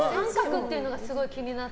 △っていうのがすごい気になる。